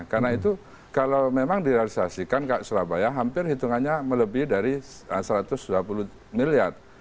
karena itu kalau memang direalisasikan kak surabaya hampir hitungannya melebih dari satu ratus dua puluh miliar